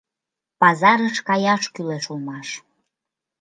— Пазарыш каяш кӱлеш улмаш.